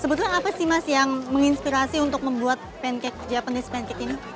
sebetulnya apa sih mas yang menginspirasi untuk membuat pancake japanese pancake ini